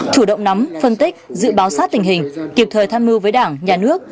chủ động nắm phân tích dự báo sát tình hình kịp thời tham mưu với đảng nhà nước